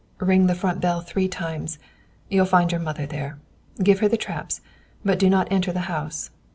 Ring the front bell three times; you'll find your mother there. Give her the traps, but do not enter the house.